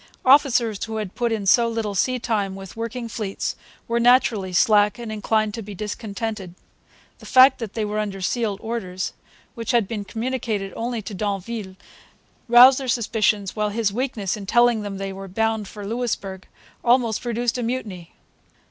Officers who had put in so little sea time with working fleets were naturally slack and inclined to be discontented. The fact that they were under sealed orders, which had been communicated only to d'Anville, roused their suspicions while his weakness in telling them they were bound for Louisbourg almost produced a mutiny.